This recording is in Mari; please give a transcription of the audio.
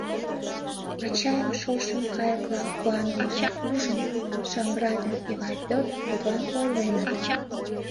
Вачайын шошым кайыкла куанымыжым ужын, Шамрай ден Эвай Пӧтыр тудлан ойленыт: